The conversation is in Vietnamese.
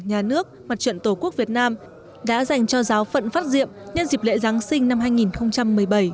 nhà nước mặt trận tổ quốc việt nam đã dành cho giáo phận phát diệm nhân dịp lễ giáng sinh năm hai nghìn một mươi bảy